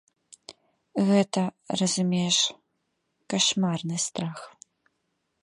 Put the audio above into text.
Гэта, разумееш, кашмарны страх.